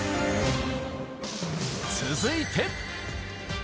続いて。